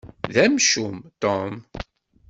D amcum, Tom.